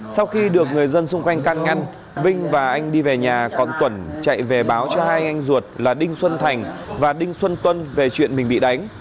sau khi được người dân xung quanh can ngăn vinh và anh đi về nhà còn tuẩn chạy về báo cho hai anh ruột là đinh xuân thành và đinh xuân tuân về chuyện mình bị đánh